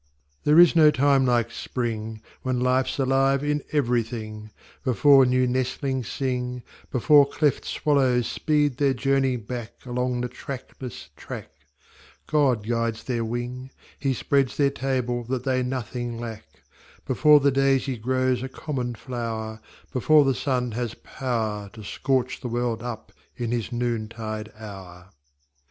There is no time like Spring, When life's alive in everything, Before new nestlings sing, Before cleft swallows speed their journey back Along the trackless track, God guides their wing, He spreads their table that they nothing lack, Before the daisy grows a common flower, Before the sun has power To scorch the world up in his noontide hour.